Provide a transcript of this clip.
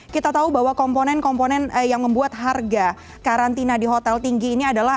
kita tahu bahwa komponen komponen yang membuat harga karantina di hotel tinggi ini adalah